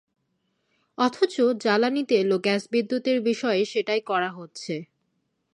অথচ জ্বালানি তেল ও গ্যাস বিদ্যুতের বিষয়ে সেটাই করা হচ্ছে।